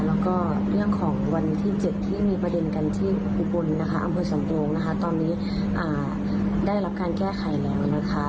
แล้วก็เรื่องของวันที่๗ที่มีประเด็นกันที่อุบลนะคะอำเภอสำโปรงนะคะตอนนี้ได้รับการแก้ไขแล้วนะคะ